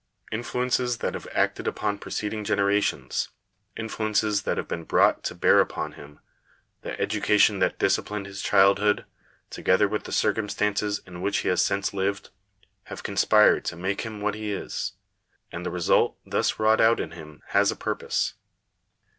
Influences that have acted upon preceding generations; influences that have been brought to bear upon him ; the education that disciplined his childhood ; together with the circumstances in which he has since lived; have conspired to make him what he is. And the result thus wrought out in him has a purpose.